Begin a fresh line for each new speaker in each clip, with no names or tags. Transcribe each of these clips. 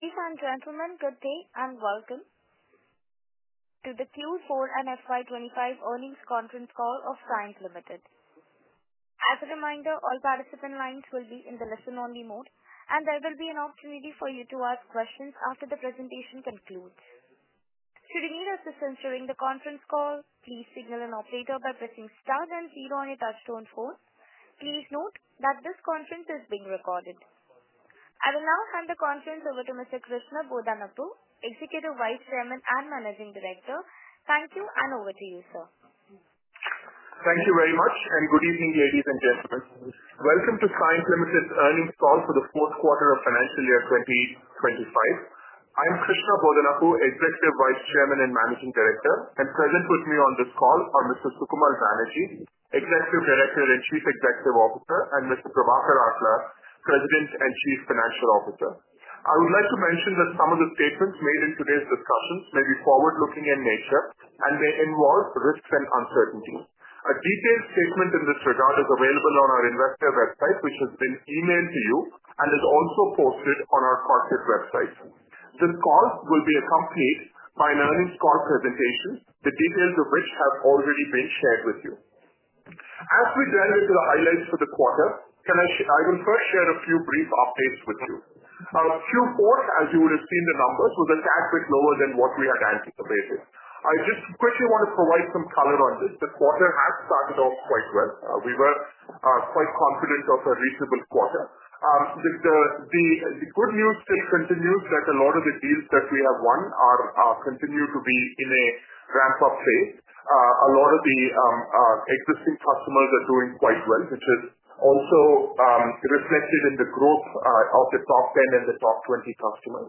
Ladies and gentlemen, good day and welcome to the Q4 and FY25 Earnings Conference Call of Cyient Limited. As a reminder, all participant lines will be in the listen-only mode, and there will be an opportunity for you to ask questions after the presentation concludes. Should you need assistance during the conference call, please signal an operator by pressing star then zero on your touch-tone phone. Please note that this conference is being recorded. I will now hand the conference over to Mr. Krishna Bodanapu, Executive Vice Chairman and Managing Director. Thank you, and over to you, sir.
Thank you very much, and good evening, ladies and gentlemen. Welcome to Cyient Limited's Earnings Call for the Fourth Quarter of Financial Year 2025. I'm Krishna Bodanapu, Executive Vice Chairman and Managing Director, and present with me on this call are Mr. Sukamal Banerjee, Executive Director and Chief Executive Officer, and Mr. Prabhakar Atla, President and Chief Financial Officer. I would like to mention that some of the statements made in today's discussions may be forward-looking in nature and may involve risks and uncertainties. A detailed statement in this regard is available on our investor website, which has been emailed to you, and is also posted on our corporate website. This call will be accompanied by an earnings call presentation, the details of which have already been shared with you. As we delve into the highlights for the quarter, I will first share a few brief updates with you. Q4, as you would have seen, the numbers were a tad bit lower than what we had anticipated. I just quickly want to provide some color on this. The quarter has started off quite well. We were quite confident of a reasonable quarter. The good news still continues that a lot of the deals that we have won continue to be in a ramp-up phase. A lot of the existing customers are doing quite well, which is also reflected in the growth of the top 10 and the top 20 customers.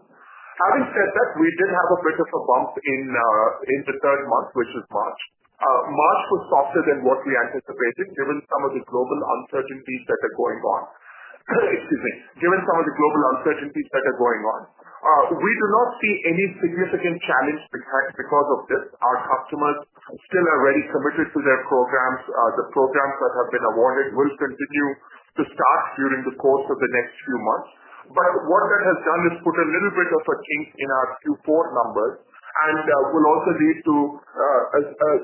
Having said that, we did have a bit of a bump in the third month, which is March. March was softer than what we anticipated, given some of the global uncertainties that are going on. Excuse me. Given some of the global uncertainties that are going on, we do not see any significant challenge because of this. Our customers still are very committed to their programs. The programs that have been awarded will continue to start during the course of the next few months. What that has done is put a little bit of a kink in our Q4 numbers and will also lead to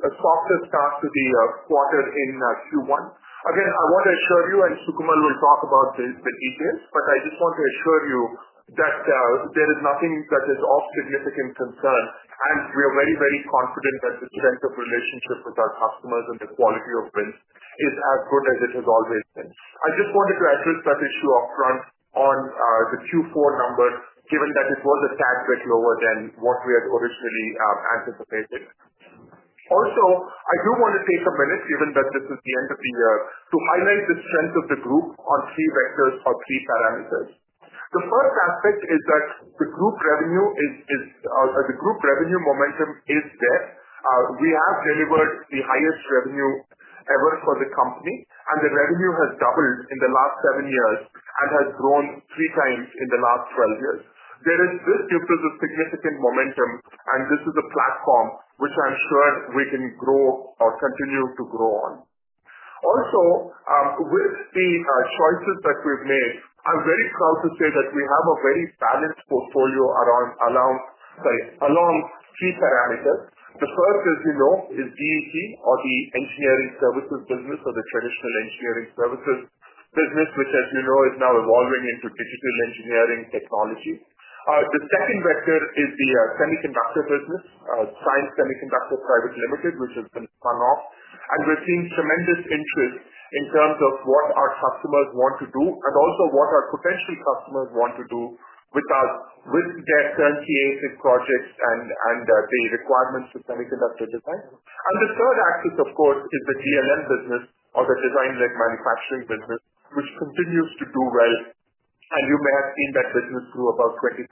a softer start to the quarter in Q1. Again, I want to assure you, and Sukamal will talk about the details, but I just want to assure you that there is nothing that is of significant concern, and we are very, very confident that the strength of relationship with our customers and the quality of business is as good as it has always been. I just wanted to address that issue upfront on the Q4 numbers, given that it was a tad bit lower than what we had originally anticipated. Also, I do want to take a minute, given that this is the end of the year, to highlight the strength of the group on three vectors or three parameters. The first aspect is that the group revenue momentum is there. We have delivered the highest revenue ever for the company, and the revenue has doubled in the last seven years and has grown three times in the last 12 years. There is this new piece of significant momentum, and this is a platform which I'm sure we can grow or continue to grow on. Also, with the choices that we've made, I'm very proud to say that we have a very balanced portfolio along three parameters. The first, as you know, is DET, or the Engineering Services business, or the Traditional Engineering Services business, which, as you know, is now evolving into Digital Engineering Technology. The second vector is the semiconductor business, Cyient Semiconductor Private Limited, which has been spun off, and we've seen tremendous interest in terms of what our customers want to do and also what our potential customers want to do with their turnkey ASIC projects and the requirements for semiconductor design. The third axis, of course, is the DLM business, or the Design-Led Manufacturing business, which continues to do well, and you may have seen that business grew about 27%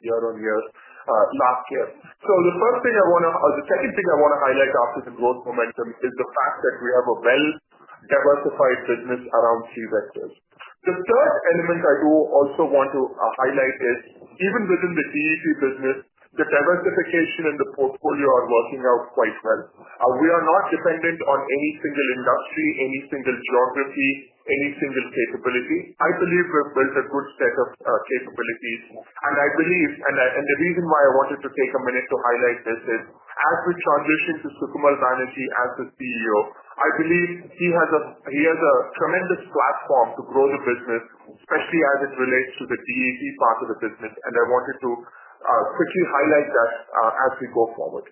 year-on-year last year. The first thing I want to—or the second thing I want to highlight after the growth momentum is the fact that we have a well-diversified business around three vectors. The third element I do also want to highlight is, even within the DET business, the diversification and the portfolio are working out quite well. We are not dependent on any single industry, any single geography, any single capability. I believe we've built a good set of capabilities, and I believe and, the reason why I wanted to take a minute to highlight this is, as we transition to Sukamal Banerjee as the CEO, I believe he has a tremendous platform to grow the business, especially as it relates to the DET part of the business, and I wanted to quickly highlight that as we go forward.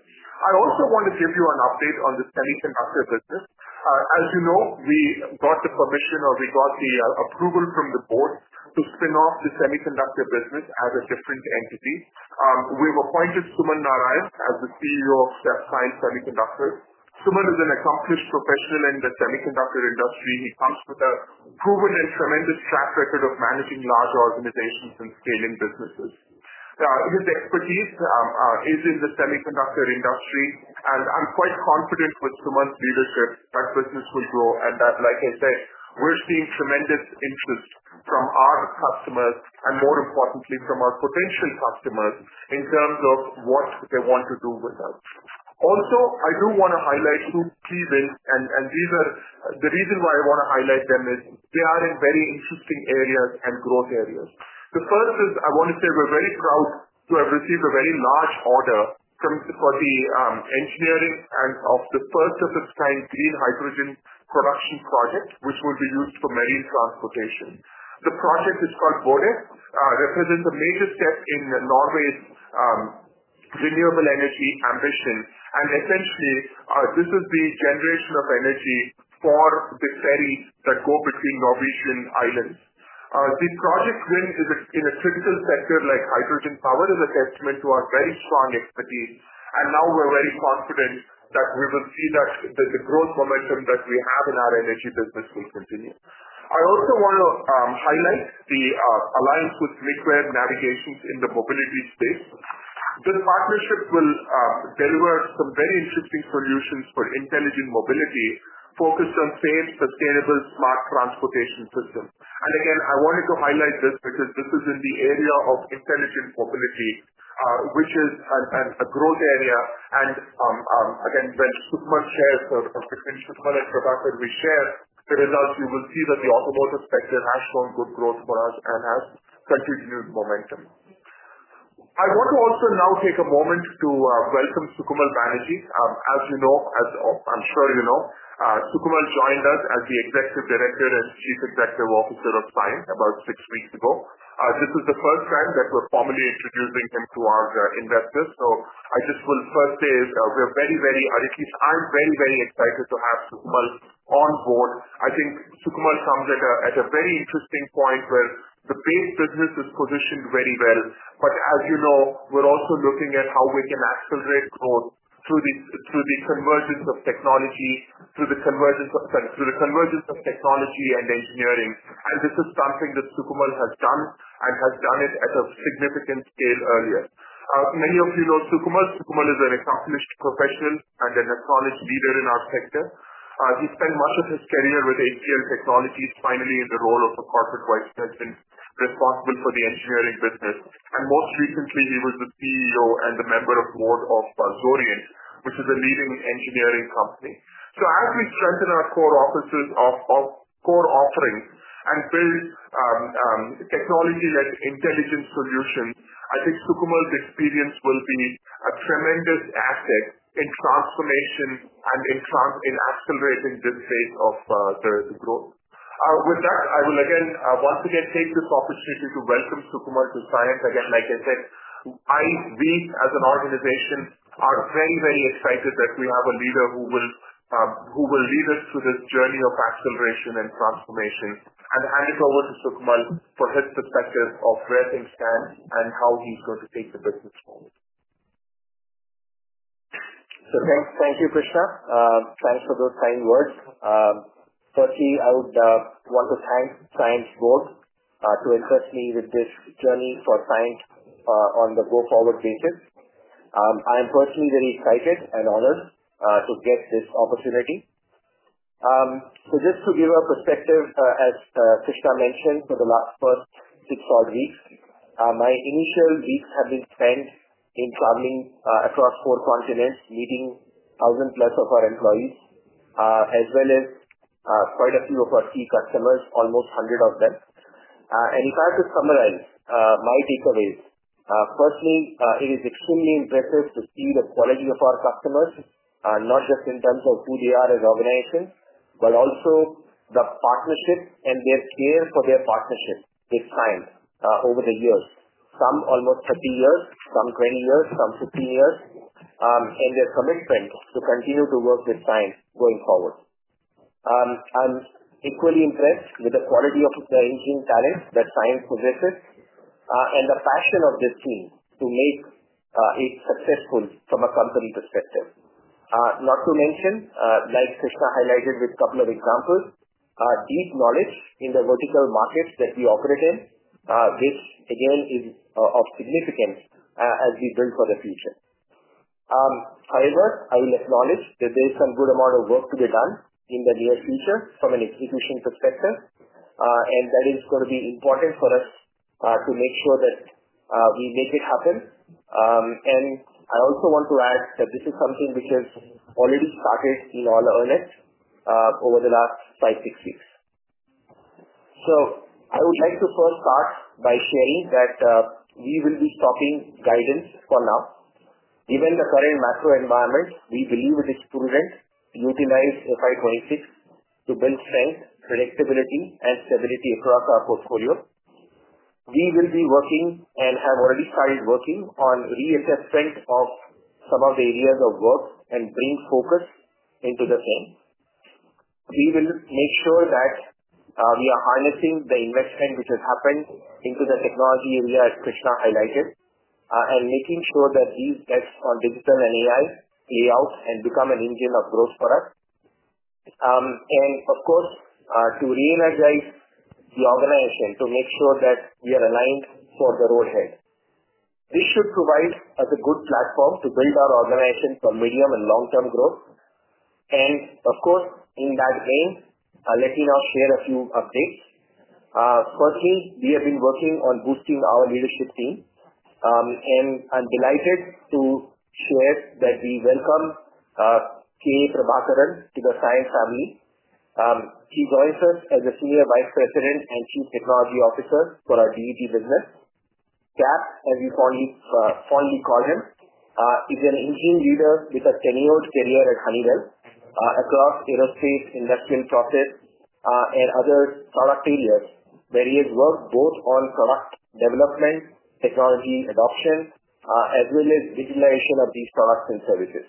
I also want to give you an update on the semiconductor business. As you know, we got the permission, or we got the approval from the Board, to spin off the semiconductor business as a different entity. We've appointed Suman Narayan as the CEO of Cyient Semiconductors. Suman is an accomplished professional in the semiconductor industry. He comes with a proven and tremendous track record of managing large organizations and scaling businesses. His expertise is in the semiconductor industry, and I'm quite confident with Suman's leadership that business will grow, and that, like I said, we're seeing tremendous interest from our customers and, more importantly, from our potential customers in terms of what they want to do with us. Also, I do want to highlight two key wins, and the reason why I want to highlight them is they are in very interesting areas and growth areas. The first is, I want to say we're very proud to have received a very large order for the engineering and of the first-of-its-kind green hydrogen production project, which will be used for marine transportation. The project is called Bodø, represents a major step in Norway's renewable energy ambition, and essentially, this is the generation of energy for the ferries that go between Norwegian islands. The project win in a critical sector like hydrogen power is a testament to our very strong expertise, and now we're very confident that we will see that the growth momentum that we have in our energy business will continue. I also want to highlight the alliance with Micware Navigations in the mobility space. This partnership will deliver some very interesting solutions for intelligent mobility focused on safe, sustainable, smart transportation systems. I wanted to highlight this because this is in the area of intelligent mobility, which is a growth area, and again, when Sukamal shares, or between Sukamal and Prabhakar, we share the results, you will see that the automotive sector has shown good growth for us and has continued momentum. I want to also now take a moment to welcome Sukamal Banerjee. As you know, as I'm sure you know, Sukamal joined us as the Executive Director and Chief Executive Officer of Cyient about six weeks ago. This is the first time that we're formally introducing him to our investors, so I just will first say we're very, very—or at least I'm very, very excited to have Sukamal on board. I think Sukamal comes at a very interesting point where the base business is positioned very well, but as you know, we're also looking at how we can accelerate growth through the convergence of technology, through the convergence of technology and engineering, and this is something that Sukamal has done and has done it at a significant scale earlier. Many of you know Sukamal. Sukamal is an accomplished professional and an acknowledged leader in our sector. He spent much of his career with HCL Technologies, finally in the role of a Corporate Vice President, responsible for the engineering business, and most recently, he was the CEO and a Member of the Board of Xoriant, which is a leading engineering company. As we strengthen our core offerings and build technology-led intelligence solutions, I think Sukamal's experience will be a tremendous asset in transformation and in accelerating this phase of the growth. With that, I will, once again, take this opportunity to welcome Sukamal to Cyient. Like I said, we, as an organization, are very, very excited that we have a leader who will lead us through this journey of acceleration and transformation, and hand it over to Sukamal for his perspective of where things stand and how he's going to take the business forward.
Thank you, Krishna. Thanks for those kind words. Firstly, I would want to thank Cyient's Board to assist me with this journey for Cyient on the go-forward basis. I am personally very excited and honored to get this opportunity. Just to give a perspective, as Krishna mentioned, for the last first six odd weeks, my initial weeks have been spent traveling across four continents, meeting 1000+ of our employees, as well as quite a few of our key customers, almost 100 of them. If I have to summarize my takeaways, firstly, it is extremely impressive to see the quality of our customers, not just in terms of who they are as an organization, but also the partnership and their care for their partnership with Cyient over the years. Some almost 30 years, some 20 years, some 15 years, and their commitment to continue to work with Cyient going forward. I'm equally impressed with the quality of the engineering talent that Cyient possesses and the passion of this team to make it successful from a company perspective. Not to mention, like Krishna highlighted with a couple of examples, deep knowledge in the vertical markets that we operate in, which, again, is of significance as we build for the future. However, I will acknowledge that there is some good amount of work to be done in the near future from an execution perspective, and that is going to be important for us to make sure that we make it happen. I also want to add that this is something which has already started in all earnest over the last five, six weeks. So, I would like to first start by sharing that we will be stopping guidance for now. Given the current macro environment, we believe it is prudent to utilize FY 2026 to build strength, predictability, and stability across our portfolio. We will be working and have already started working on reassessment of some of the areas of work and bring focus into the same. We will make sure that we are harnessing the investment which has happened into the technology area as Krishna highlighted and making sure that these bets on digital and AI play out and become an engine of growth for us. Of course, to re-energize the organization to make sure that we are aligned for the road ahead. This should provide us a good platform to build our organization for medium and long-term growth. Of course, in that vein, I'll let you now share a few updates. Firstly, we have been working on boosting our leadership team, and I'm delighted to share that we welcome K. Prabhakaran to the Cyient family. He joins us as a Senior Vice President and Chief Technology Officer for our DET business. KAP, as we fondly call him, is an engineering leader with a tenured career at Honeywell across aerospace, industrial process, and other product areas where he has worked both on product development, technology adoption, as well as digitalization of these products and services.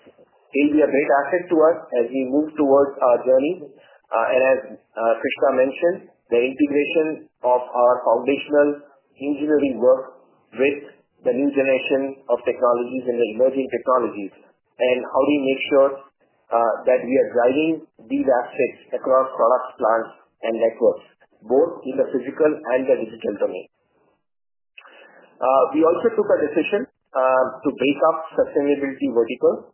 He'll be a great asset to us as we move towards our journey, and as Krishna mentioned, the integration of our foundational engineering work with the new generation of technologies and the emerging technologies, and how do we make sure that we are driving these assets across product plants and networks, both in the physical and the digital domain. We also took a decision to break up sustainability vertical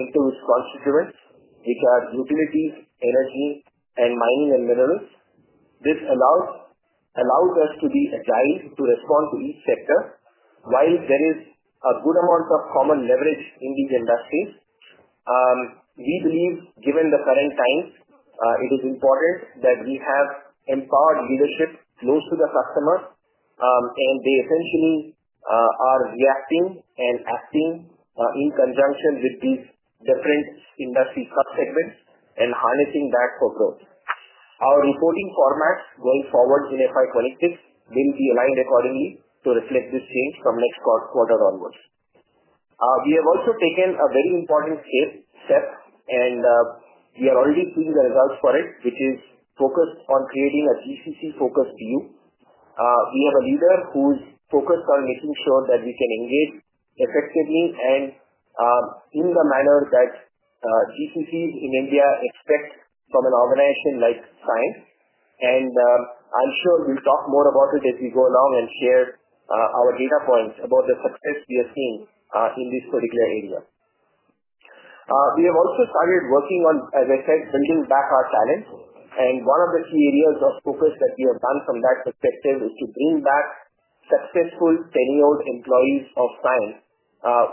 into its constituents, which are utilities, energy, and mining and minerals. This allows us to be agile to respond to each sector. While there is a good amount of common leverage in these industries, we believe, given the current times, it is important that we have empowered leadership close to the customer, and they essentially are reacting and acting in conjunction with these different industry subsegments and harnessing that for growth. Our reporting formats going forward in FY 2026 will be aligned accordingly to reflect this change from next quarter onwards. We have also taken a very important step, and we are already seeing the results for it, which is focused on creating a GCC-focused BU. We have a leader who is focused on making sure that we can engage effectively and in the manner that GCCs in India expect from an organization like Cyient, and I'm sure we'll talk more about it as we go along and share our data points about the success we are seeing in this particular area. We have also started working on, as I said, building back our talents, and one of the key areas of focus that we have done from that perspective is to bring back successful tenured employees of Cyient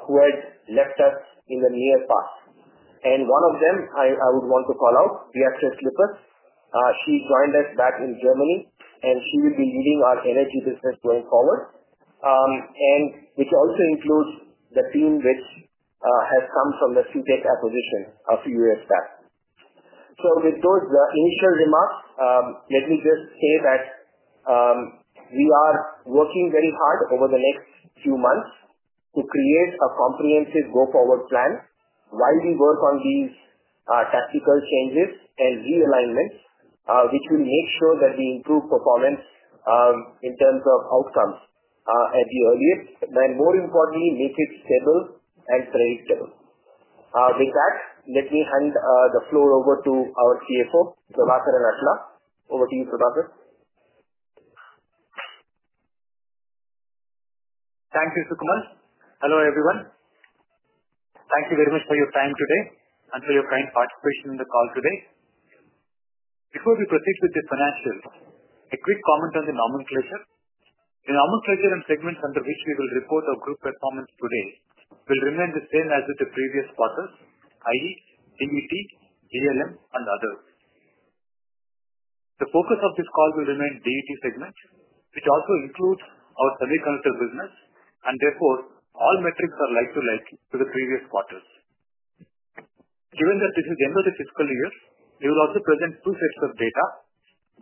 who had left us in the near past. One of them I would want to call out, Beatrice Lippus. She joined us back in Germany, and she will be leading our energy business going forward, which also includes the team which has come from the Citec acquisition a few years back. With those initial remarks, let me just say that we are working very hard over the next few months to create a comprehensive go-forward plan while we work on these tactical changes and realignments, which will make sure that we improve performance in terms of outcomes at the earliest, and more importantly, make it stable and predictable. With that, let me hand the floor over to our CFO, Prabhakar Atla. Over to you, Prabhakar.
Thank you, Sukamal. Hello everyone. Thank you very much for your time today and for your kind participation in the call today. Before we proceed with the financials, a quick comment on the nomenclature. The nomenclature and segments under which we will report our group performance today will remain the same as with the previous quarters, i.e., DET, DLM, and others. The focus of this call will remain DET segment, which also includes our semiconductor business, and therefore, all metrics are like to like to the previous quarters. Given that this is the end of the fiscal year, we will also present two sets of data,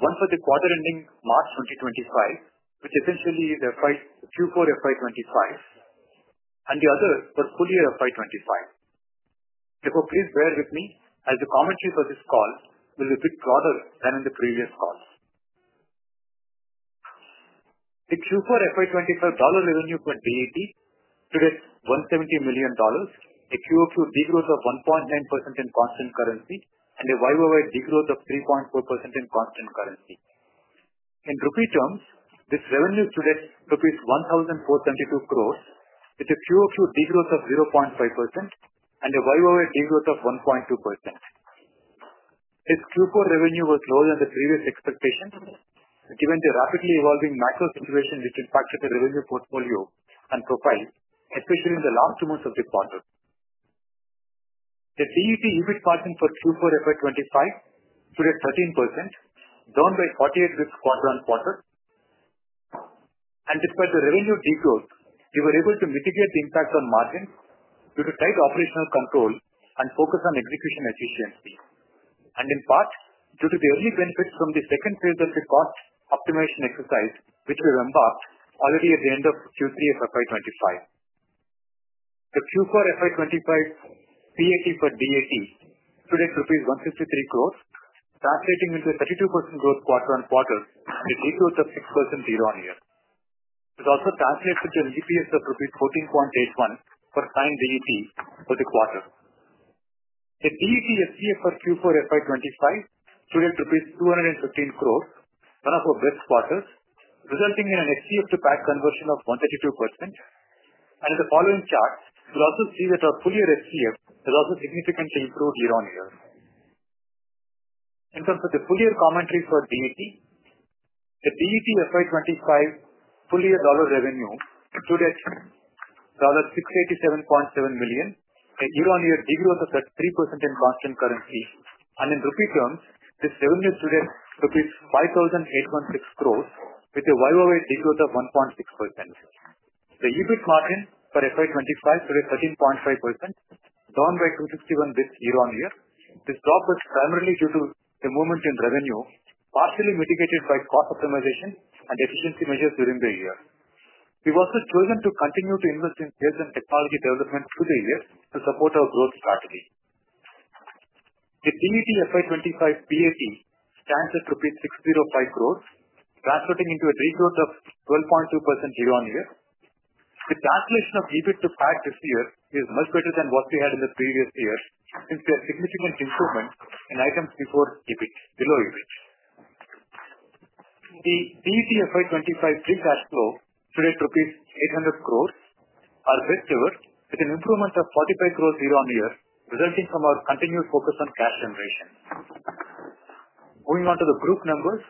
one for the quarter ending March 2025, which essentially is Q4 FY2025, and the other for full year FY2025. Therefore, please bear with me as the commentary for this call will be a bit broader than in the previous calls. The Q4 FY2025 dollar revenue for DET today is $170 million, a quarter-on-quarter degrowth of 1.9% in constant currency, and a year-on-year degrowth of 3.4% in constant currency. In Indian Rupee terms, this revenue today is 1,472 crore, with a quarter-on-quarter degrowth of 0.5% and a year-on-year degrowth of 1.2%. This Q4 revenue was lower than the previous expectations given the rapidly evolving macro situation, which impacted the revenue portfolio and profile, especially in the last two months of the quarter. The DET EBIT margin for Q4 FY2025 today is 13%, down by 48 basis points quarter on quarter. Despite the revenue degrowth, we were able to mitigate the impact on margins due to tight operational control and focus on execution efficiency, and in part due to the early benefits from the second phase of the cost optimization exercise, which we embarked already at the end of Q3 of FY2025. The Q4 FY 2025 PAT for DET today is rupees 163 crore, translating into a 32% growth quarter on quarter and a degrowth of 6% year on year. This also translates into an EPS of rupees 14.81 for Cyient DET for the quarter. The DET FCF for Q4 FY 2025 today is rupees 215 crore, one of our best quarters, resulting in an FCF-to-PAT conversion of 132%. In the following chart, you'll also see that our full year FCF has also significantly improved year on year. In terms of the full year commentary for DET, the DET FY 2025 full year dollar revenue today is $687.7 million, a year on year degrowth of 3% in constant currency, and in Rupee terms, this revenue today is INR 5,816 crore, with a year on year degrowth of 1.6%. The EBIT margin for FY 2025 today is 13.5%, down by 261 basis points year on year. This drop was primarily due to the momentum revenue, partially mitigated by cost optimization and efficiency measures during the year. We've also chosen to continue to invest in sales and technology development through the year to support our growth strategy. The DET FY2025 PAT stands at 605 crore, translating into a degrowth of 12.2% year on year. The translation of EBIT to PAT this year is much better than what we had in the previous year since we had significant improvement in items below EBIT. The DET FY2025 free cash flow today is rupees 800 crore, our best ever, with an improvement of 45 crore year on year, resulting from our continued focus on cash generation. Moving on to the group numbers,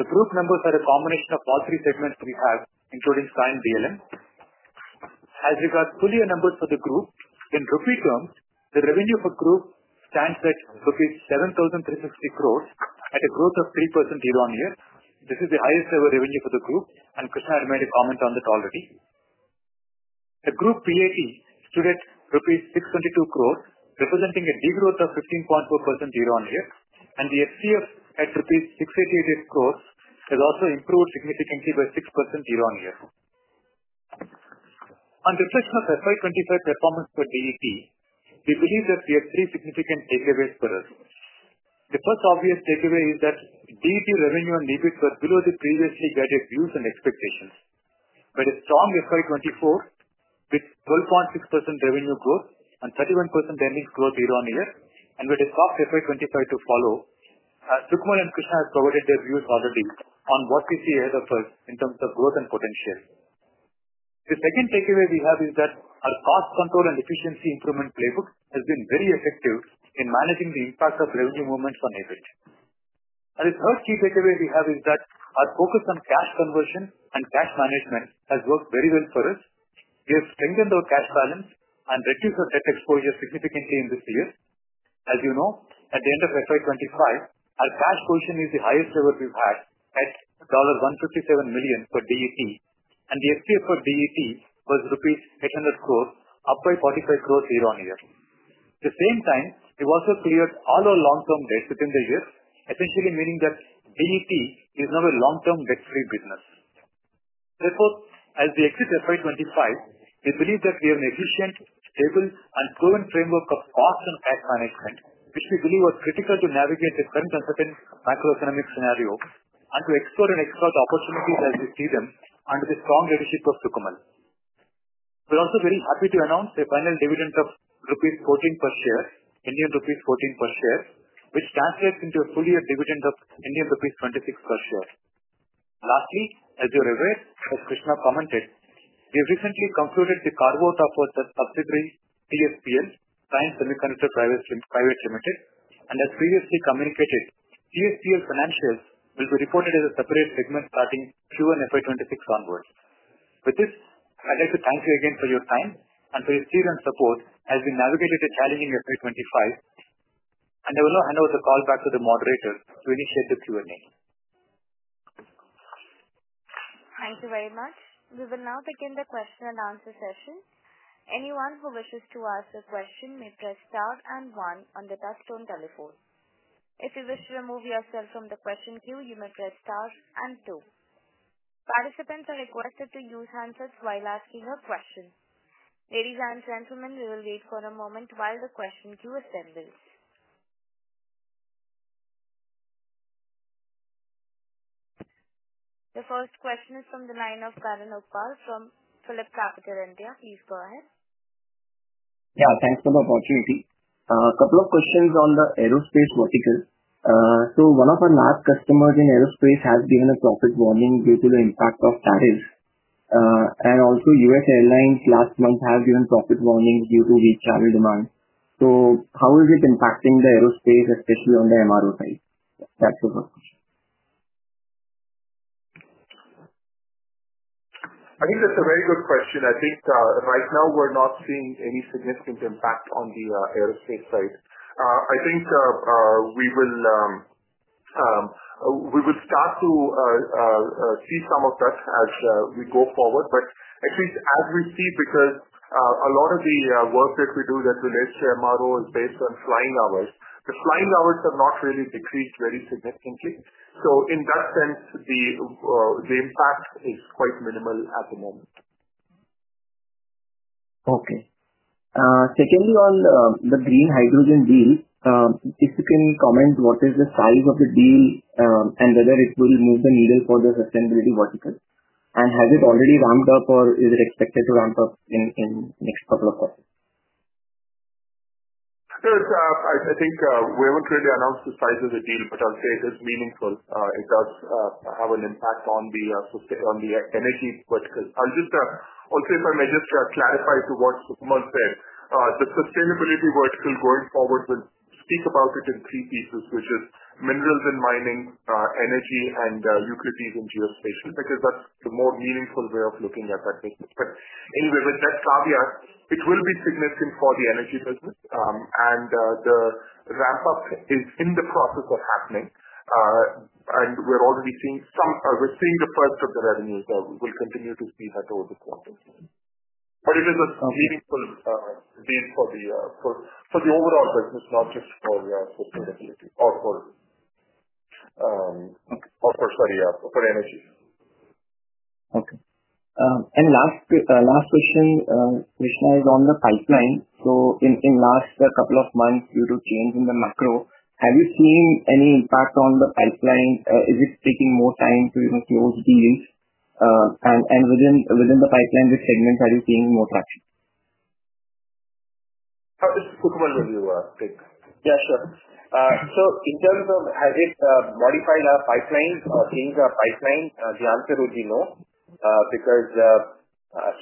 the group numbers are a combination of all three segments we have, including Cyient DLM. As regards to full year numbers for the group, in Rupee terms, the revenue for group stands at 7,360 crore at a growth of 3% year on year. This is the highest ever revenue for the group, and Krishna had made a comment on that already. The group PAT stood at rupees 622 crore, representing a degrowth of 15.4% year on year, and the FCF at rupees 688 crore has also improved significantly by 6% year on year. On reflection of FY 2025 performance for DET, we believe that we have three significant takeaways for us. The first obvious takeaway is that DET revenue and EBIT were below the previously guided views and expectations. With a strong FY 2024 with 12.6% revenue growth and 31% earnings growth year on year, and with a soft FY 2025 to follow, Sukamal and Krishna had provided their views already on what we see ahead of us in terms of growth and potential. The second takeaway we have is that our cost control and efficiency improvement playbook has been very effective in managing the impact of revenue movements on EBIT. The third key takeaway we have is that our focus on cash conversion and cash management has worked very well for us. We have strengthened our cash balance and reduced our debt exposure significantly in this year. As you know, at the end of FY 2025, our cash position is the highest ever we've had at $157 million for DET, and the FCF for DET was rupees 800 crore, up by 45 crore year on year. At the same time, we've also cleared all our long-term debts within the year, essentially meaning that DET is now a long-term debt-free business. Therefore, as we exit FY 2025, we believe that we have an efficient, stable, and proven framework of cost and cash management, which we believe are critical to navigate the current uncertain macroeconomic scenario and to explore and exploit opportunities as we see them under the strong leadership of Sukamal. We're also very happy to announce a final dividend of rupees 14 per share, Indian rupees 14 per share, which translates into a full year dividend of Indian rupees 26 per share. Lastly, as you're aware, as Krishna commented, we have recently concluded the carve-out of the subsidiary, CSPL, Cyient Semiconductor Private Limited, and as previously communicated, CSPL financials will be reported as a separate segment starting Q1 FY 2026 onward. With this, I'd like to thank you again for your time and for your steer and support as we navigated a challenging FY25, and I will now hand over the call back to the moderator to initiate the Q&A.
Thank you very much. We will now begin the question and answer session. Anyone who wishes to ask a question may press star and one on the touchstone telephone. If you wish to remove yourself from the question queue, you may press star and two. Participants are requested to use handsets while asking a question. Ladies and gentlemen, we will wait for a moment while the question queue assembles. The first question is from the line of Karan Uppal from Phillip Capital India. Please go ahead.
Yeah, thanks for the opportunity. A couple of questions on the aerospace vertical. So, one of our large customers in aerospace has given a profit warning due to the impact of tariffs, and also U.S. Airlines last month has given profit warnings due to weak travel demand. How is it impacting the aerospace, especially on the MRO side? That's the first question.
I think that's a very good question. I think right now we're not seeing any significant impact on the aerospace side. I think we will start to see some of that as we go forward, but at least as we see, because a lot of the work that we do that relates to MRO is based on flying hours. The flying hours have not really decreased very significantly. In that sense, the impact is quite minimal at the moment.
Okay. Secondly, on the green hydrogen deal, if you can comment, what is the size of the deal and whether it will move the needle for the sustainability vertical, and has it already ramped up or is it expected to ramp up in the next couple of quarters?
I think we haven't really announced the size of the deal, but I'll say it is meaningful. It does have an impact on the energy vertical. Also, if I may just clarify to what Sukamal said, the sustainability vertical going forward will speak about it in three pieces, which is minerals and mining, energy, and utilities and geospatial, because that's the more meaningful way of looking at that business. Anyway, with that caveat, it will be significant for the energy business, and the ramp-up is in the process of happening, and we're already seeing some—we're seeing the first of the revenues that we will continue to see that over the quarters. But it is a meaningful deal for the overall business, not just for sustainability or for—sorry, for energy.
Okay. Last question, Krishna, is on the pipeline. In the last couple of months, due to change in the macro, have you seen any impact on the pipeline? Is it taking more time to close deals? Within the pipeline, which segments are you seeing more traction?
I'll just—Sukamal, when you speak.
Yeah, sure. In terms of, has it modified our pipeline or changed our pipeline? The answer would be no, because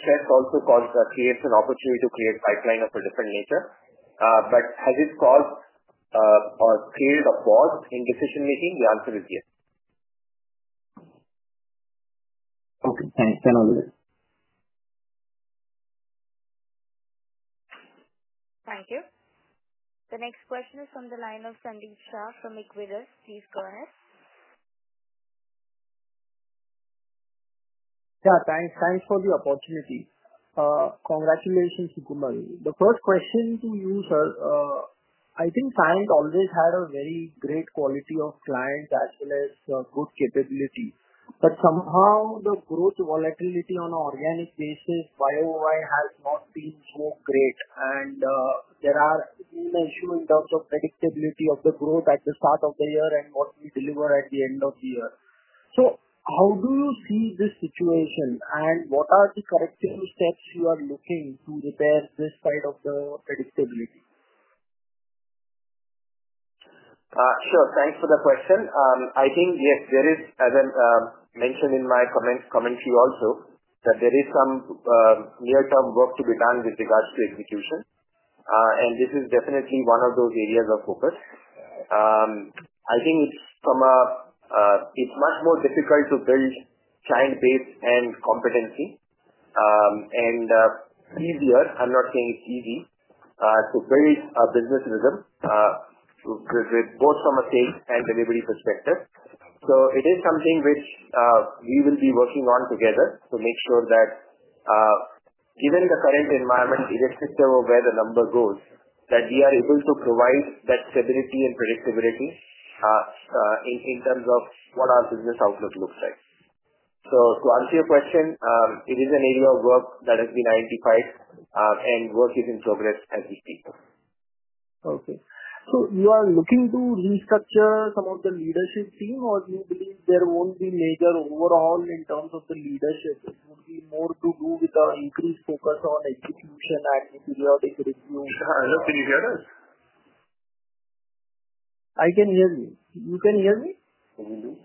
stress also causes a change in opportunity to create pipeline of a different nature. But has it caused or created a pause in decision-making? The answer is yes.
Okay. Thanks.
Thank you. The next question is from the line of Sandeep Shah from Equirus. Please go ahead.
Yeah, thanks. Thanks for the opportunity. Congratulations, Sukamal. The first question to you, sir, I think Cyient always had a very great quality of client as well as good capability, but somehow the growth volatility on an organic basis, year over year has not been so great, and there is an issue in terms of predictability of the growth at the start of the year and what we deliver at the end of the year. How do you see this situation, and what are the corrective steps you are looking to repair this side of the predictability?
Sure. Thanks for the question. I think, yes, there is, as I mentioned in my commentary also, that there is some near-term work to be done with regards to execution, and this is definitely one of those areas of focus. I think it's much more difficult to build client base and competency and easier, I'm not saying it's easy, to build a business rhythm both from a sales and delivery perspective. It is something which we will be working on together to make sure that, given the current environment, it is just a way the number goes, that we are able to provide that stability and predictability in terms of what our business outlook looks like. So, to answer your question, it is an area of work that has been identified, and work is in progress as we speak.
Okay. You are looking to restructure some of the leadership team, or do you believe there won't be major overhaul in terms of the leadership? It would be more to do with the increased focus on execution and periodic review?
Hello? Can you hear us?
I can hear you. You can hear me?
Can you hear me?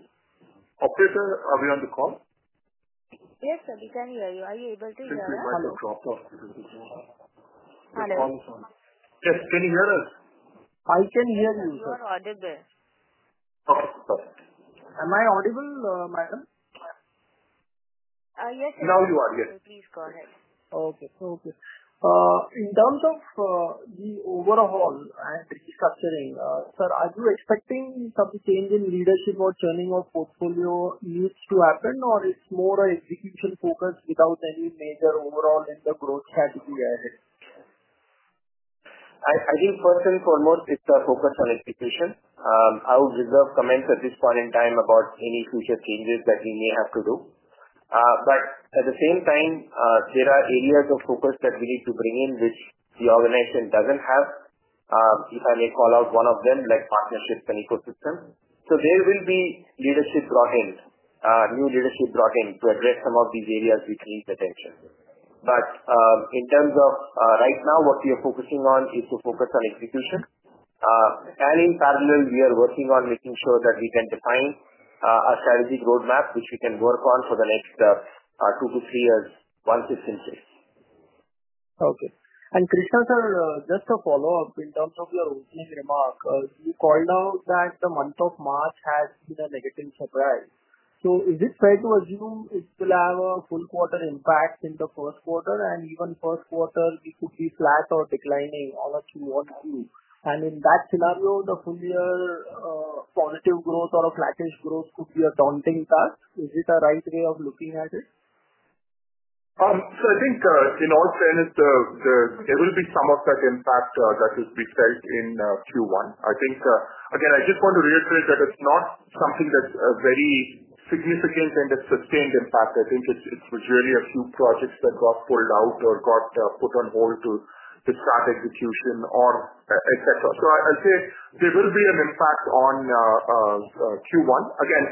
Operator, are we on the call?
Yes, sir. We can hear you. Are you able to hear us?
Sukamal, I dropped off.
Hello?
Yes, can you hear us?
I can hear you, sir.
You are audible.
Okay. Perfect.
Am I audible, madam?
Yes, sir.
Now you are. Yes.
Please go ahead.
Okay. Okay. In terms of the overhaul and restructuring, sir, are you expecting some change in leadership or churning of portfolio needs to happen, or it's more an execution focus without any major overhaul in the growth strategy ahead?
I think first and foremost, it's a focus on execution. I would reserve comments at this point in time about any future changes that we may have to do. But at the same time, there are areas of focus that we need to bring in which the organization doesn't have. If I may call out one of them, like partnerships and ecosystems. There will be leadership brought in, new leadership brought in to address some of these areas which need attention. But in terms of right now, what we are focusing on is to focus on execution. And in parallel, we are working on making sure that we can define a strategic roadmap which we can work on for the next two to three years once it's in place.
Okay. Krishna sir, just to follow up, in terms of your opening remark, you called out that the month of March has been a negative surprise. Is it fair to assume it will have a full quarter impact in the first quarter, and even first quarter, it could be flat or declining on a Q-on-Q? In that scenario, the full year positive growth or a flattish growth could be a daunting task. Is it a right way of looking at it?
I think in all fairness, there will be some of that impact that will be felt in Q1. I think, again, I just want to reiterate that it's not something that's very significant and a sustained impact. I think it was really a few projects that got pulled out or got put on hold to start execution or etc. I'll say there will be an impact on Q1. Again,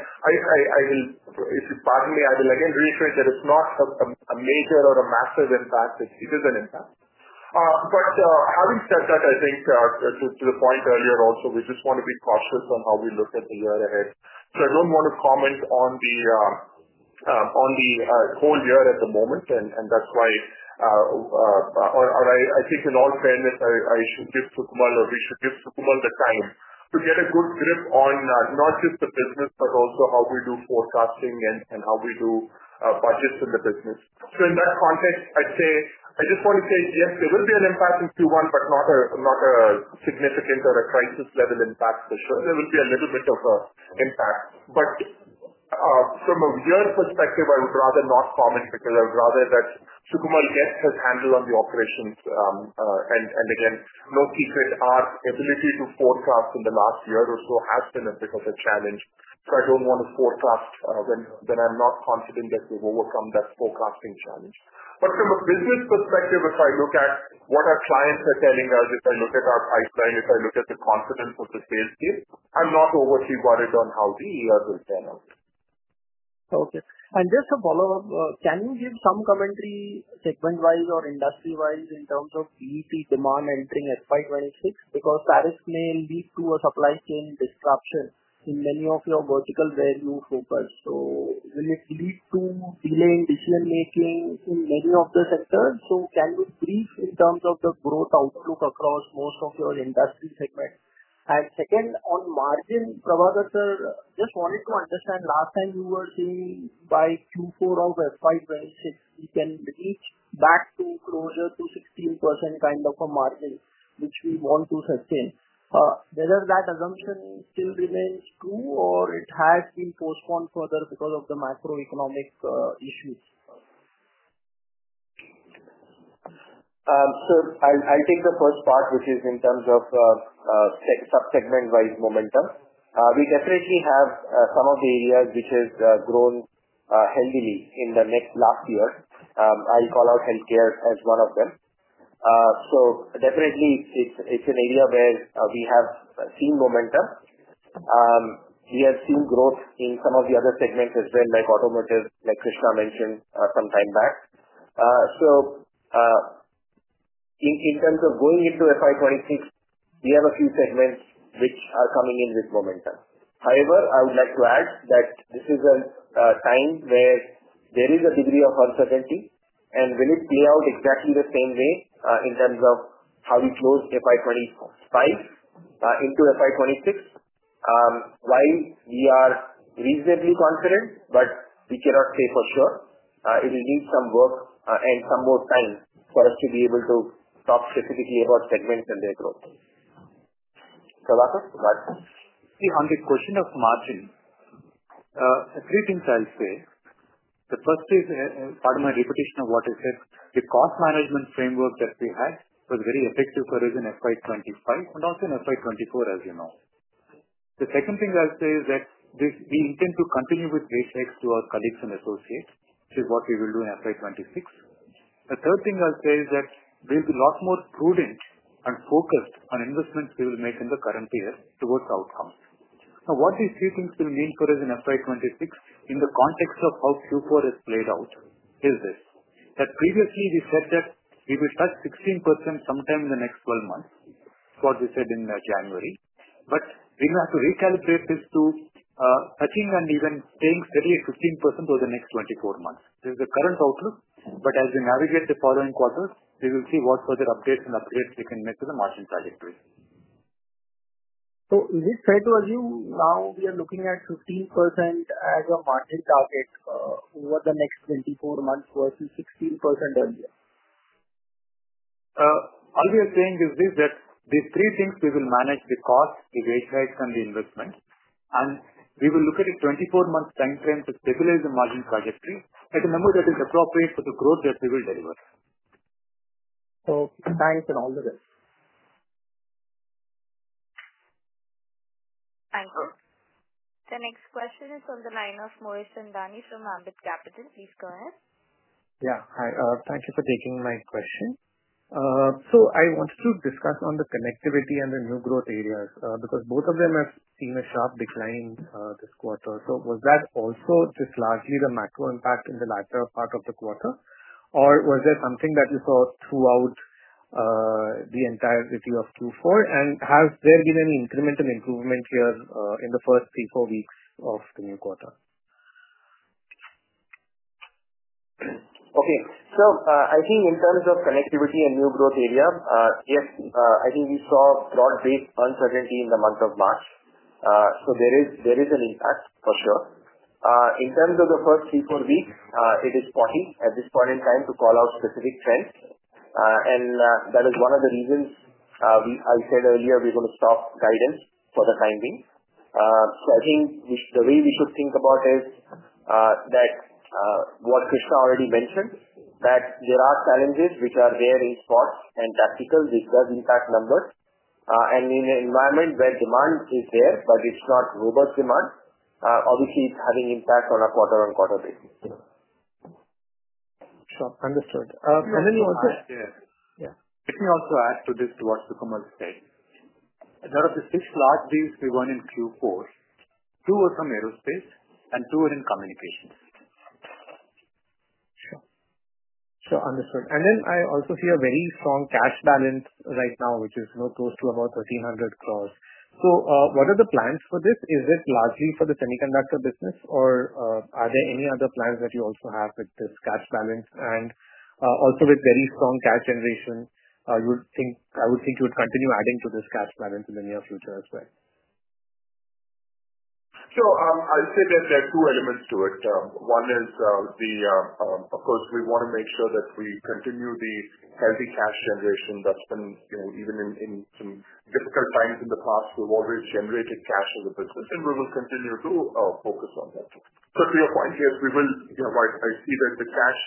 if you pardon me, I will again reiterate that it's not a major or a massive impact. It is an impact. Having said that, I think to the point earlier also, we just want to be cautious on how we look at the year ahead. I do not want to comment on the whole year at the moment, and that is why I think in all fairness, I should give Sukamal or we should give Sukamal the time to get a good grip on not just the business, but also how we do forecasting and how we do budgets in the business. In that context, I would say I just want to say, yes, there will be an impact in Q1, but not a significant or a crisis-level impact for sure. There will be a little bit of an impact. From a weird perspective, I would rather not comment because I would rather that Sukamal gets his handle on the operations. Again, no secret, our ability to forecast in the last year or so has been a bit of a challenge. I do not want to forecast when I'm not confident that we've overcome that forecasting challenge. From a business perspective, if I look at what our clients are telling us, if I look at our pipeline, if I look at the confidence of the sales team, I'm not overly worried on how the year will turn out.
Okay. Just to follow up, can you give some commentary segment-wise or industry-wise in terms of DET demand entering FY 2026? Because tariffs may lead to a supply chain disruption in many of your verticals where you focus. Will it lead to delay in decision-making in many of the sectors? Can you brief in terms of the growth outlook across most of your industry segments? Second, on margin, Prabhakar sir, just wanted to understand last time you were saying by Q4 of FY 2026, we can reach back to closer to 16% kind of a margin which we want to sustain. Whether that assumption still remains true or it has been postponed further because of the macroeconomic issues?
I'll take the first part, which is in terms of subsegment-wise momentum. We definitely have some of the areas which have grown healthily in the last year. I'll call out healthcare as one of them. Definitely, it's an area where we have seen momentum. We have seen growth in some of the other segments as well, like automotive, like Krishna mentioned some time back. In terms of going into FY 2026, we have a few segments which are coming in with momentum. However, I would like to add that this is a time where there is a degree of uncertainty, and will it play out exactly the same way in terms of how we close FY 2025 into FY 2026? While we are reasonably confident, but we cannot say for sure. It will need some work and some more time for us to be able to talk specifically about segments and their growth. Prabhakar, go ahead.
See, on the question of margin, three things I'll say. The first is part of my repetition of what I said. The cost management framework that we had was very effective for us in FY25 and also in FY24, as you know. The second thing I'll say is that we intend to continue with wage hikes to our colleagues and associates, which is what we will do in FY26. The third thing I'll say is that we'll be a lot more prudent and focused on investments we will make in the current year towards outcomes. Now, what these three things will mean for us in FY26 in the context of how Q4 has played out is this: that previously, we said that we will touch 16% sometime in the next 12 months, what we said in January. We will have to recalibrate this to touching and even staying steady at 15% over the next 24 months. This is the current outlook, but as we navigate the following quarters, we will see what further updates and upgrades we can make to the margin trajectory.
Is it fair to assume now we are looking at 15% as a margin target over the next 24 months versus 16% earlier?
All we are saying is this: that these three things, we will manage the cost, the wage hikes, and the investment. We will look at a 24-month time frame to stabilize the margin trajectory at a number that is appropriate for the growth that we will deliver.
Okay. Thanks and all the best.
Thank you. The next question is from the line of Moez Chandani from Ambit Capital. Please go ahead.
Yeah. Hi. Thank you for taking my question. I wanted to discuss on the connectivity and the new growth areas because both of them have seen a sharp decline this quarter. Was that also just largely the macro impact in the latter part of the quarter, or was there something that you saw throughout the entirety of Q4? Has there been any incremental improvement here in the first three, four weeks of the new quarter?
Okay. I think in terms of connectivity and new growth area, yes, I think we saw broad-based uncertainty in the month of March. There is an impact for sure. In terms of the first three, four weeks, it is potty at this point in time to call out specific trends. That is one of the reasons I said earlier we're going to stop guidance for the time being. I think the way we should think about it is that what Krishna already mentioned, that there are challenges which are rare in sports and tactical, which does impact numbers. In an environment where demand is there, but it's not robust demand, obviously, it's having impact on a quarter-on-quarter basis.
Sure. Understood.
Let me also add to this to what Sukamal said. Out of the six large deals we won in Q4, two were from aerospace and two were in communications.
Sure. Sure. Understood. I also see a very strong cash balance right now, which is close to about 1300 crore. What are the plans for this? Is it largely for the semiconductor business, or are there any other plans that you also have with this cash balance? Also, with very strong cash generation, I would think you would continue adding to this cash balance in the near future as well.
I'd say that there are two elements to it. One is, of course, we want to make sure that we continue the healthy cash generation that's been even in some difficult times in the past. We've always generated cash as a business, and we will continue to focus on that. To your point, yes, we will. I see that the cash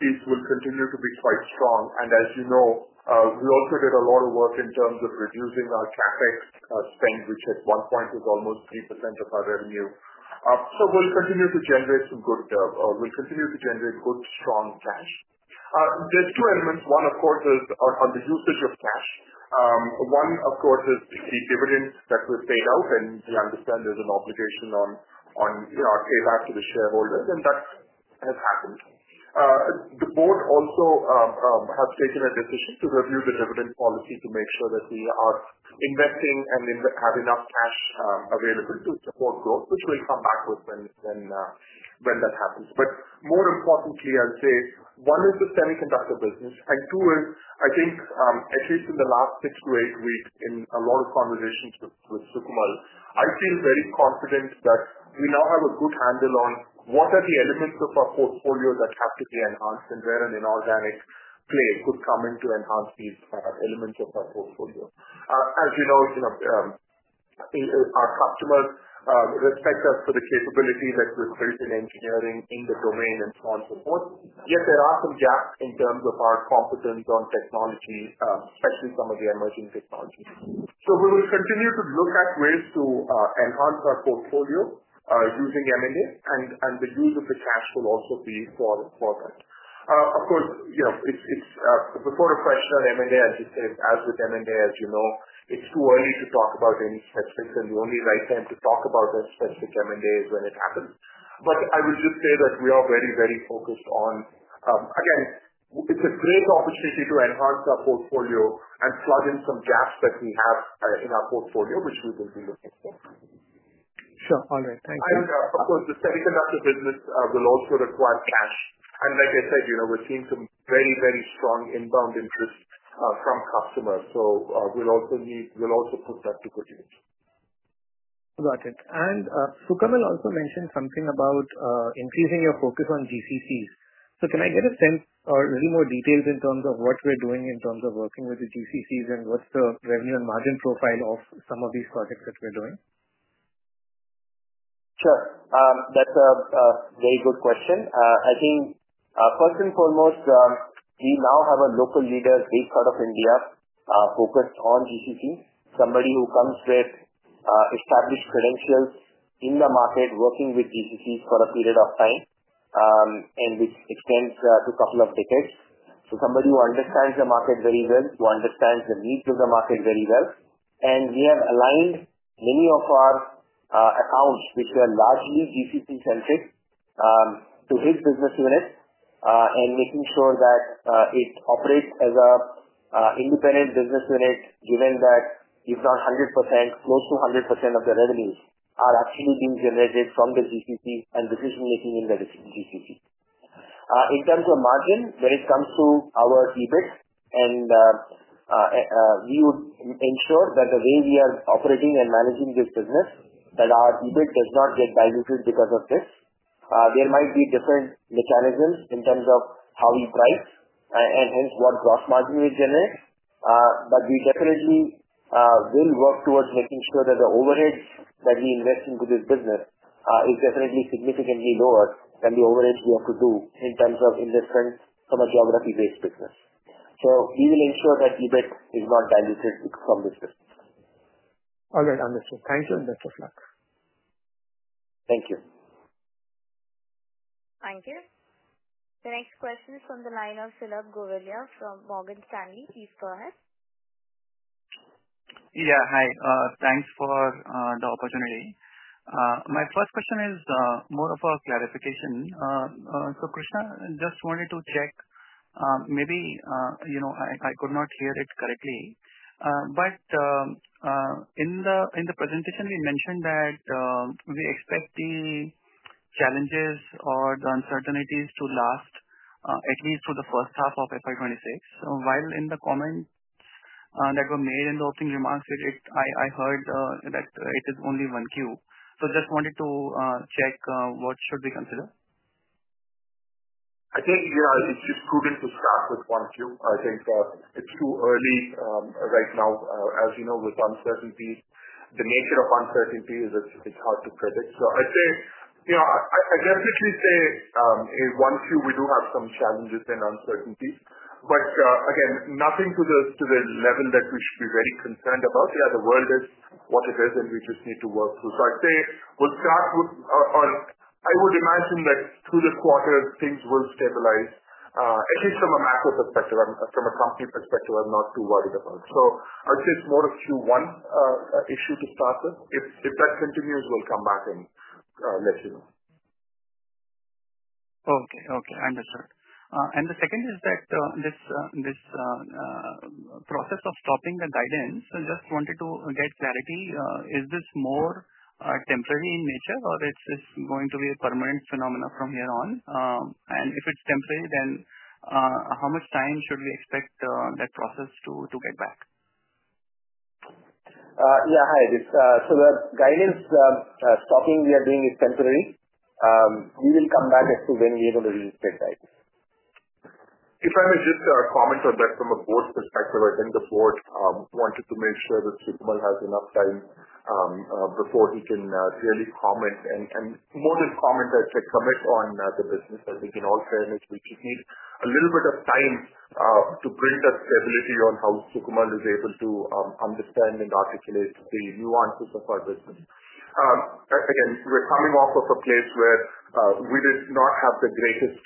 piece will continue to be quite strong. As you know, we also did a lot of work in terms of reducing our CapEx spend, which at one point was almost 3% of our revenue. We'll continue to generate good, strong cash. There are two elements. One, of course, is on the usage of cash. One, of course, is the dividends that we've paid out. We understand there's an obligation on our payback to the shareholders, and that has happened. The Board also has taken a decision to review the dividend policy to make sure that we are investing and have enough cash available to support growth, which we will come back with when that happens. More importantly, I will say one is the semiconductor business, and two is, I think, at least in the last six to eight weeks, in a lot of conversations with Sukamal, I feel very confident that we now have a good handle on what are the elements of our portfolio that have to be enhanced and where an inorganic play could come in to enhance these elements of our portfolio. As you know, our customers respect us for the capability that we have built in engineering in the domain and so on and so forth. Yet, there are some gaps in terms of our competence on technology, especially some of the emerging technologies. We will continue to look at ways to enhance our portfolio using M&A, and the use of the cash will also be for that. Of course, it's before the question on M&A, I'll just say, as with M&A, as you know, it's too early to talk about any specifics, and the only right time to talk about a specific M&A is when it happens. I would just say that we are very, very focused on, again, it's a great opportunity to enhance our portfolio and plug in some gaps that we have in our portfolio, which we will be looking for.
Sure. All right. Thank you.
Of course, the semiconductor business will also require cash. Like I said, we're seeing some very, very strong inbound interest from customers. We will also put that to good use.
Got it. And Sukamal also mentioned something about increasing your focus on GCCs. Can I get a sense or any more details in terms of what we're doing in terms of working with the GCCs and what's the revenue and margin profile of some of these projects that we're doing?
Sure. That's a very good question. I think, first and foremost, we now have a local leader, big part of India, focused on GCC, somebody who comes with established credentials in the market, working with GCCs for a period of time and which extends to a couple of decades. Somebody who understands the market very well, who understands the needs of the market very well. We have aligned many of our accounts, which are largely GCC-centric, to his business unit and making sure that it operates as an independent business unit, given that if not 100%, close to 100% of the revenues are actually being generated from the GCCs and decision-making in the GCCs. In terms of margin, when it comes to our EBIT, we would ensure that the way we are operating and managing this business, that our EBIT does not get diluted because of this. There might be different mechanisms in terms of how we price and hence what gross margin we generate. But we definitely will work towards making sure that the overheads that we invest into this business are definitely significantly lower than the overheads we have to do in terms of investment from a geography-based business. We will ensure that EBIT is not diluted from this business.
All right. Understood. Thank you and best of luck.
Thank you.
Thank you. The next question is from the line of Sulabh Govila from Morgan Stanley. Please go ahead.
Yeah. Hi. Thanks for the opportunity. My first question is more of a clarification. Krishna, just wanted to check. Maybe I could not hear it correctly. But in the presentation, we mentioned that we expect the challenges or the uncertainties to last at least through the first half of FY 2026. While in the comments that were made in the opening remarks, I heard that it is only 1Q. Just wanted to check what should we consider?
I think it's prudent to start with 1. I think it's too early right now. As you know, with uncertainty, the nature of uncertainty is hard to predict. I'd say I definitely say one Q, we do have some challenges and uncertainties. Again, nothing to the level that we should be very concerned about. Yeah, the world is what it is, and we just need to work through. I'd say we'll start with, or I would imagine that through the quarter, things will stabilize, at least from a macro perspective. From a company perspective, I'm not too worried about. I'd say it's more a Q1 issue to start with. If that continues, we'll come back and let you know.
Okay. Okay. Understood. The second is that this process of stopping the guidance, I just wanted to get clarity. Is this more temporary in nature, or is this going to be a permanent phenomenon from here on? If it's temporary, then how much time should we expect that process to get back?
Yeah. Hi. The guidance stopping we are doing is temporary. We will come back as to when we are going to release that guidance.
If I may just comment on that from a Board perspective, I think the Board wanted to make sure that Sukamal has enough time before he can really comment. More than comment, I'd say commit on the business. I think in all fairness, we just need a little bit of time to bring that stability on how Sukamal is able to understand and articulate the nuances of our business. Again, we're coming off of a place where we did not have the greatest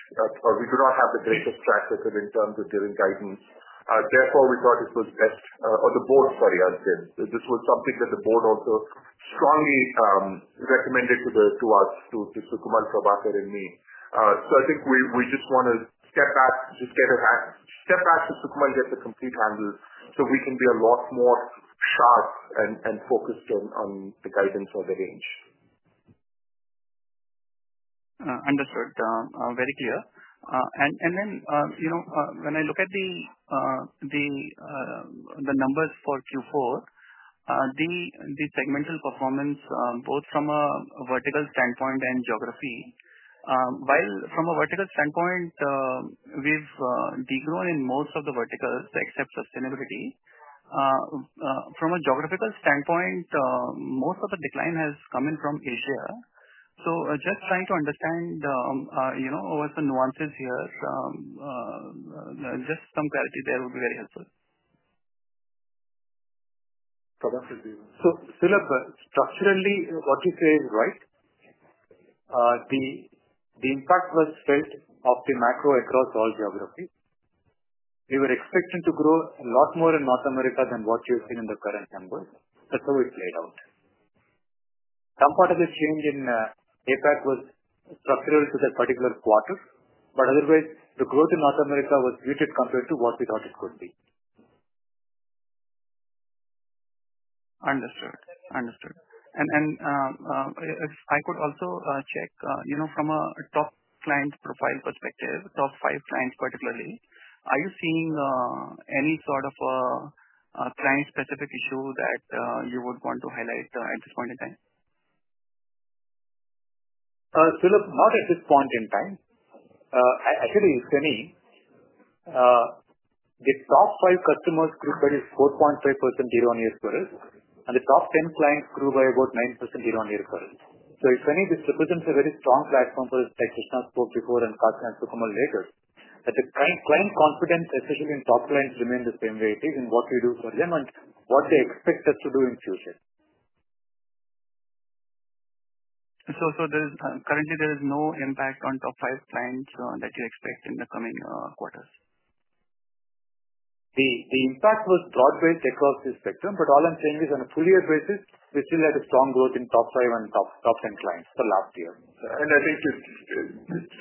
or we do not have the greatest track record in terms of giving guidance. Therefore, we thought it was best, or the Board, sorry, I'll say. This was something that the Board also strongly recommended to us, to Sukamal, Prabhakar, and me. I think we just want to step back, just get a step back so Sukamal gets a complete handle so we can be a lot more sharp and focused on the guidance or the range.
Understood. Very clear. And then, when I look at the numbers for Q4, the segmental performance, both from a vertical standpoint and geography, while from a vertical standpoint, we've degrown in most of the verticals except sustainability. From a geographical standpoint, most of the decline has come in from Asia. Just trying to understand what's the nuances here, just some clarity there would be very helpful.
Prabhakar, do you?
Sulabh, structurally, what you say is right. The impact was felt of the macro across all geographies. We were expecting to grow a lot more in North America than what you've seen in the current numbers. That's how it played out. Some part of the change in APAC was structural to that particular quarter. Otherwise, the growth in North America was muted compared to what we thought it could be.
Understood. Understood. If I could also check, from a top client profile perspective, top five clients particularly, are you seeing any sort of client-specific issue that you would want to highlight at this point in time?
Sulabh, not at this point in time. Actually, if any, the top five customers grew by 4.5% year-on-year growth, and the top 10 clients grew by about 9% year-on-year growth. If any, this represents a very strong platform for, like Krishna spoke before and Sukamal later, that the client confidence, especially in top clients, remains the same way it is in what we do for them and what they expect us to do in the future.
Currently, there is no impact on top five clients that you expect in the coming quarters?
The impact was broad-based across the spectrum. All I'm saying is, on a full-year basis, we still had a strong growth in top five and top 10 clients for last year.
I think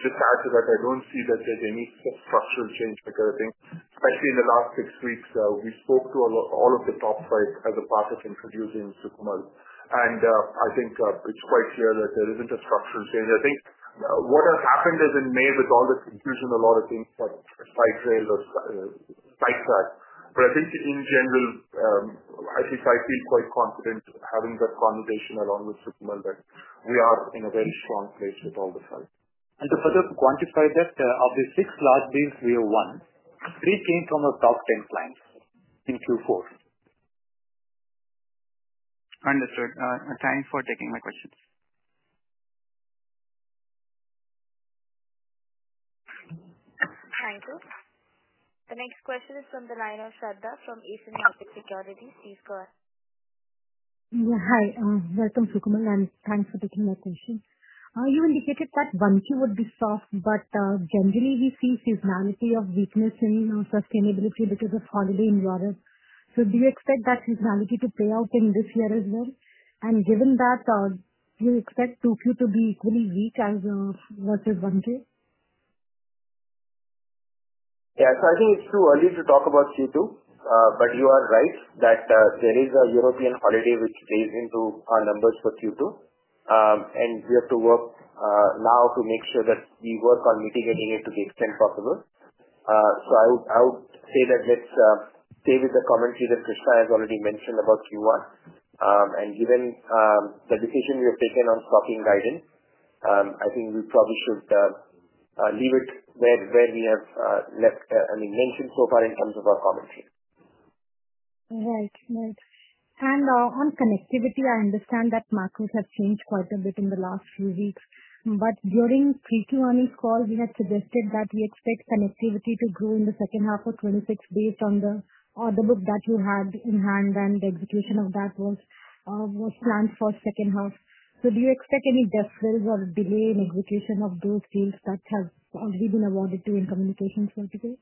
just to add to that, I don't see that there's any structural change regarding, especially in the last six weeks. We spoke to all of the top five as a part of introducing Sukamal. I think it's quite clear that there isn't a structural change. I think what has happened is, in May, with all the confusion, a lot of things got side-railed or side-tracked. I think, in general, at least I feel quite confident having that connotation along with Sukamal that we are in a very strong place with all the five.
To further quantify that, of the six large deals, we have one. Three came from our top 10 clients in Q4.
Understood. Thanks for taking my questions.
Thank you. The next question is from the line of Shradha from Asian Markets Securities. Please go ahead.
Yeah. Hi. Welcome, Sukamal. And thanks for taking my question. You indicated that 1Q would be soft, but generally, we see seasonality of weakness in sustainability because of holiday in Europe. Do you expect that seasonality to play out in this year as well? Given that, do you expect 2Q to be equally weak as versus 1Q?
Yeah. I think it's too early to talk about Q2. You are right that there is a European holiday which plays into our numbers for Q2. We have to work now to make sure that we work on mitigating it to the extent possible. I would say that let's stay with the commentary that Krishna has already mentioned about Q1. Given the decision we have taken on stopping guidance, I think we probably should leave it where we have left, I mean, mentioned so far in terms of our commentary.
Right. Right. On connectivity, I understand that macros have changed quite a bit in the last few weeks. During the 3Q earnings call, we had suggested that we expect connectivity to grow in the second half of 2026 based on the order book that you had in hand, and the execution of that was planned for the second half. Do you expect any dead spells or delay in execution of those deals that have already been awarded to communications for today?
I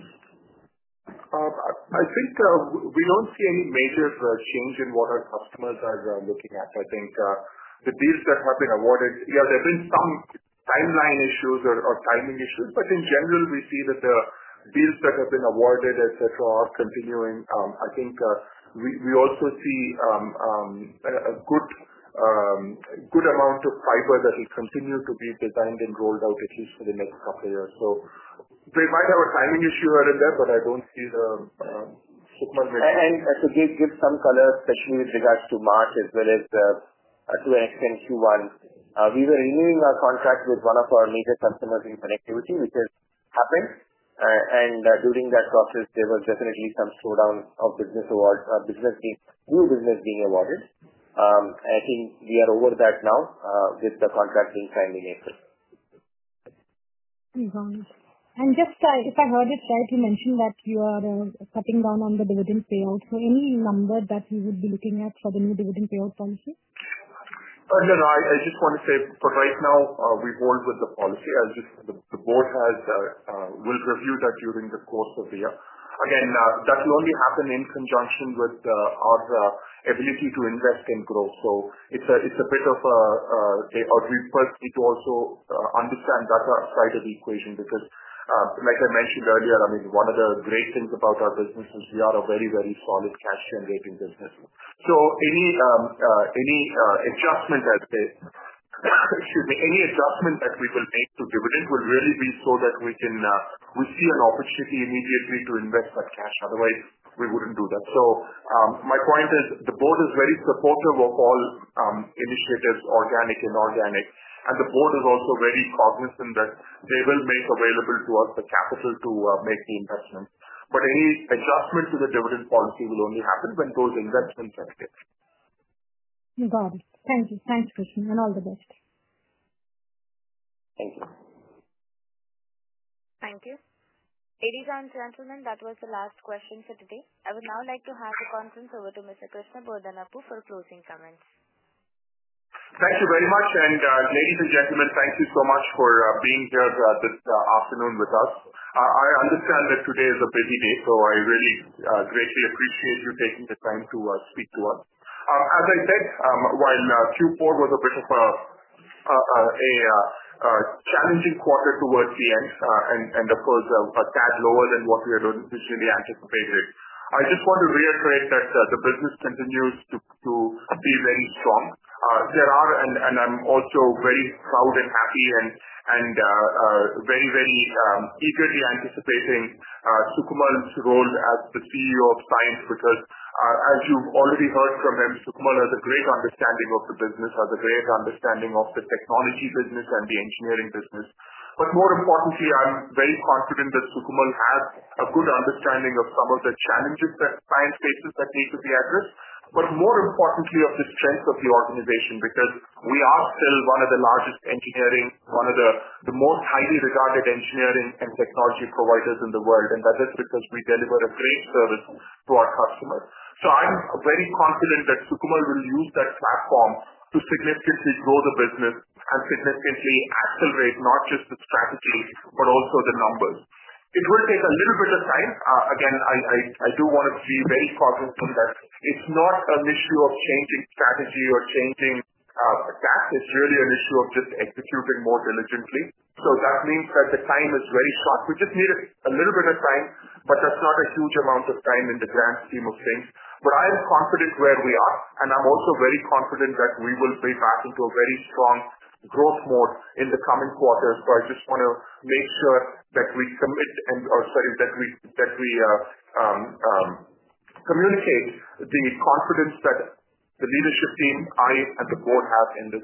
think we don't see any major change in what our customers are looking at. I think the deals that have been awarded, yeah, there have been some timeline issues or timing issues. In general, we see that the deals that have been awarded, etc., are continuing. I think we also see a good amount of fiber that will continue to be designed and rolled out, at least for the next couple of years. They might have a timing issue here and there, but I don't see the Sukamal with.
To give some color, especially with regards to March as well as to an extent Q1, we were renewing our contract with one of our major customers in connectivity, which has happened. During that process, there was definitely some slowdown of business award, new business being awarded. I think we are over that now with the contract being signed in April.
If I heard it right, you mentioned that you are cutting down on the dividend payout. Any number that you would be looking at for the new dividend payout policy?
No, no. I just want to say, for right now, we've rolled with the policy. The Board will review that during the course of the year. Again, that will only happen in conjunction with our ability to invest and grow. It is a bit of a we first need to also understand that side of the equation because, like I mentioned earlier, I mean, one of the great things about our business is we are a very, very solid cash-generating business. Any adjustment, I'd say, excuse me, any adjustment that we will make to dividend will really be so that we see an opportunity immediately to invest that cash. Otherwise, we wouldn't do that. My point is, the Board is very supportive of all initiatives, organic and inorganic. The Board is also very cognizant that they will make available to us the capital to make the investments. But any adjustment to the dividend policy will only happen when those investments are made.
Got it. Thank you. Thanks, Krishna. All the best.
Thank you.
Thank you. Ladies and gentlemen, that was the last question for today. I would now like to hand the conference over to Mr. Krishna Bodanapu for closing comments.
Thank you very much. Ladies and gentlemen, thank you so much for being here this afternoon with us. I understand that today is a busy day, so I really greatly appreciate you taking the time to speak to us. As I said, while Q4 was a bit of a challenging quarter towards the end and, of course, a tad lower than what we had originally anticipated, I just want to reiterate that the business continues to be very strong. I am also very proud and happy and very, very eagerly anticipating Sukamal's role as the CEO of Cyient because, as you've already heard from him, Sukamal has a great understanding of the business, has a great understanding of the technology business and the engineering business. More importantly, I'm very confident that Sukamal has a good understanding of some of the challenges that Cyient faces that need to be addressed. More importantly, of the strength of the organization because we are still one of the largest engineering, one of the most highly regarded engineering and technology providers in the world. That is because we deliver a great service to our customers. I'm very confident that Sukamal will use that platform to significantly grow the business and significantly accelerate not just the strategy but also the numbers. It will take a little bit of time. Again, I do want to be very cognizant that it's not an issue of changing strategy or changing tact. It's really an issue of just executing more diligently. That means that the time is very short. We just need a little bit of time, but that's not a huge amount of time in the grand scheme of things. I am confident where we are. I am also very confident that we will be back into a very strong growth mode in the coming quarters. I just want to make sure that we communicate the confidence that the leadership team, I, and the Board have in the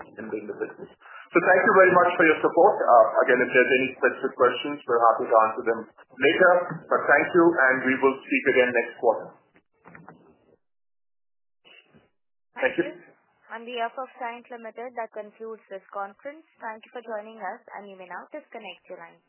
business. Thank you very much for your support. If there's any specific questions, we're happy to answer them later. Thank you, and we will speak again next quarter. Thank you.
Thank you. On behalf of Cyient Limited, that concludes this conference. Thank you for joining us, and you may now disconnect your line.